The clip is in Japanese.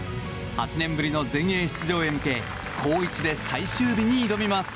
８年ぶりの全英出場へ向け好位置で最終日に挑みます。